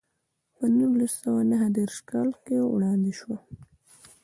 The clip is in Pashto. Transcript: په نولس سوه نهه دېرش کال کې وړاندې شوه.